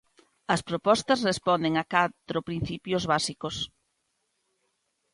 As propostas responden a catro principios básicos.